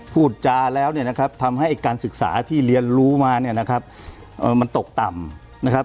พูดจาแล้วทำให้การศึกษาที่เรียนรู้มาตกต่ำ